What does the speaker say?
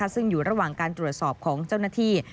ซึ่งอยู่ระหว่างการตรวจสอบของเจ้าหน้าที่